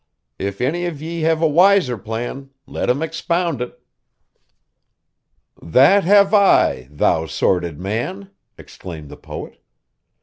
If any of ye have a wiser plan, let him expound it.' 'That have I, thou sordid man!' exclaimed the poet.